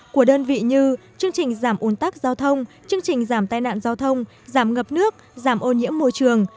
của đơn vị như chương trình giảm ồn tắc giao thông chương trình giảm tai nạn giao thông giảm ngập nước giảm ô nhiễm môi trường